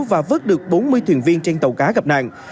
và vớt được bốn mươi thuyền viên trên tàu cá gặp nạn